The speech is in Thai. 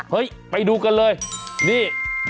เฮ้ยไปดูกันเลยนี่